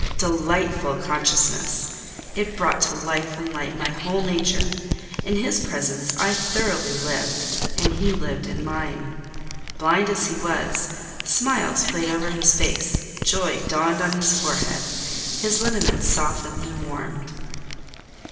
Delightful consciousness! It brought to life and light my whole nature: in his presence I thoroughly lived; and he lived in mine. Blind as he was, smiles played over his face, joy dawned on his forehead: his lineaments softened and warmed.